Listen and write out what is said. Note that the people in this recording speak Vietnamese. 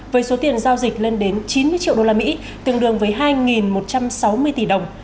với số tiền giao dịch lên đến chín mươi triệu đô la mỹ tương đương với hai một trăm sáu mươi tỷ đồng